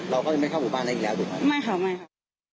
เราก็ไม่เข้าบ้านอีกแล้วครับไม่ค่ะไม่ค่ะ